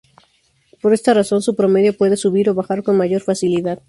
Por esta razón, su promedio puede subir o bajar con mayor facilidad.